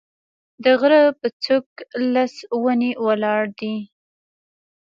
د غره په څوک لس ونې ولاړې دي